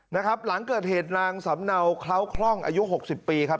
นะครับหลังเกิดเหตุนางสำเนาเคราะห์คล่องอายุหกสิบปีครับ